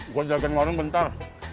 gue jagain warung bentar